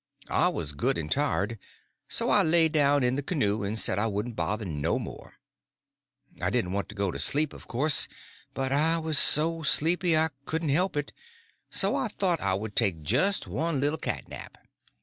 I was good and tired, so I laid down in the canoe and said I wouldn't bother no more. I didn't want to go to sleep, of course; but I was so sleepy I couldn't help it; so I thought I would take jest one little cat nap.